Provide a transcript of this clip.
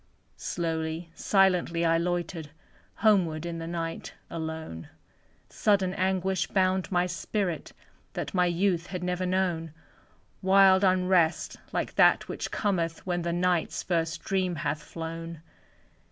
Slowly, silently I loitered, Homeward, in the night, alone; Sudden anguish bound my spirit, That my youth had never known; Wild unrest, like that which cometh When the Night's first dream hath flown.